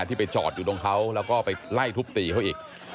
ที่ไปจอดอยู่ตรงเขาแล้วก็ไปไล่ทุบตีเขาอีก